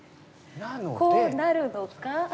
こうなるのか。